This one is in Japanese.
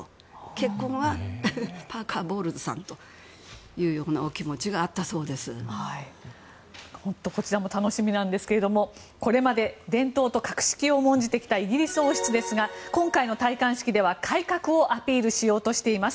結婚はパーカー・ボウルズさんというようなこちらも楽しみですがこれまで伝統と格式を重んじてきたイギリス王室ですが今回の戴冠式では改革をアピールしようとしています。